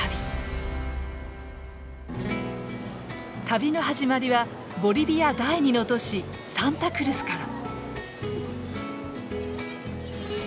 旅の始まりはボリビア第２の都市サンタクルスから。